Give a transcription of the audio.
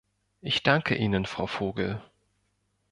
Ich danke Ihnen, Frau Vogel!